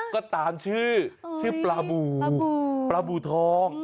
ก็ตามชื่อชื่อปลาบูปลาบูทอง